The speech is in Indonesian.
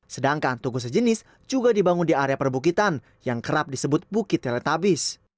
sedangkan tugu sejenis juga dibangun di area perbukitan yang kerap disebut bukit teletabis